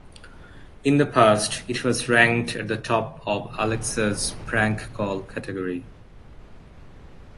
In the past, it has ranked at the top of Alexa's "Prank Call" category.